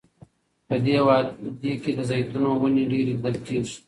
په دې وادۍ کې د زیتونو ونې ډیرې لیدل کیږي.